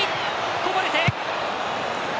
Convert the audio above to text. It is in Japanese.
こぼれて。